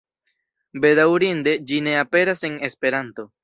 Bedaŭrinde, ĝi ne aperas en Esperanto.